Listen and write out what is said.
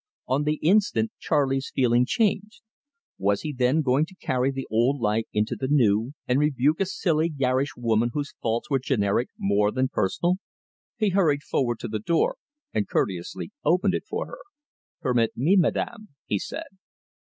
On the instant Charley's feeling changed. Was he then going to carry the old life into the new, and rebuke a silly garish woman whose faults were generic more than personal? He hurried forward to the door and courteously opened it for her. "Permit me, Madame," he said.